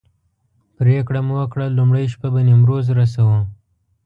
پرېکړه مو وکړه لومړۍ شپه به نیمروز رسوو.